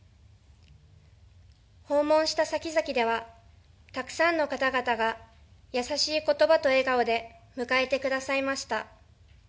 訪問した先々では、たくさんの方々が優しい言葉と笑顔で迎えてくださいました。